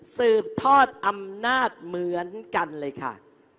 สืบทอดอำนาจเหมือนกันเลยค่ะ